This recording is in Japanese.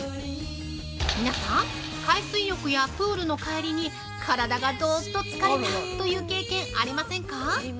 皆さん、海水浴やプールの帰りに体がどっと疲れたという経験ありませんか？